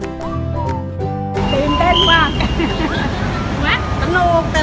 สนุกแต่ไม่เคยขึ้น